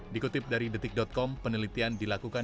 dikutip dari detik com penelitian dilakukan